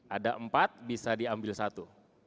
ada empat bisa diambil satu